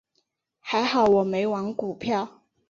还好我没玩股票。